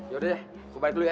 yaudah gua balik dulu ya